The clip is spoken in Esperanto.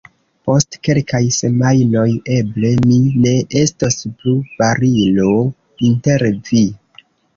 Post kelkaj semajnoj eble mi ne estos plu barilo inter vi.